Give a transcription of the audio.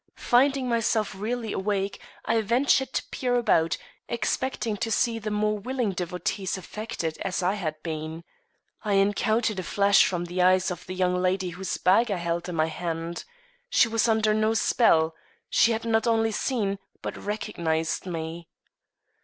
Finding myself really awake, I ventured to peer about, expecting to see the more willing devotees affected as I had been. I encountered a flash from the eyes of the young lady whose bag I held in my hand. She was under no spell. She had not only seen but recognized me.